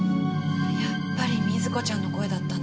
やっぱり瑞子ちゃんの声だったんだ。